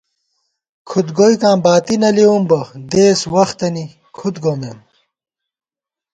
کھُد گوئیکاں باتی نہ لېوُم بہ دېس وختَنی کھُد گومېم